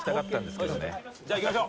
じゃあ行きましょう！